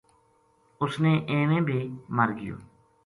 اس نے ایویں بے مر گیو